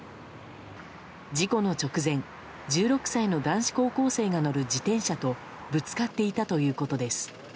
事故の直前１６歳の男子高校生が乗る自転車とぶつかっていたということです。